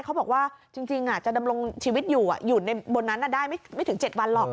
เขาบอกว่าจริงจะดำรงชีวิตอยู่อยู่ในบนนั้นได้ไม่ถึง๗วันหรอก